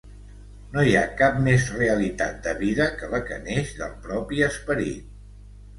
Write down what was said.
No hi cap més realitat de vida que la que neix del propi esperit.